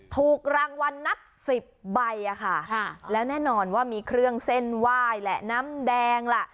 ถูกรางวัลนับสิบใบอ่ะค่ะแล้วแน่นอนว่ามีเครื่องเส้นไหว้แหละน้ำแดงล่ะ